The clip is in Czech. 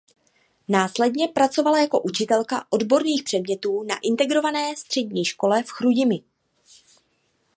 Následně pracovala jako učitelka odborných předmětů na Integrované střední škole v Chrudimi.